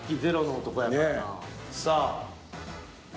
さあ。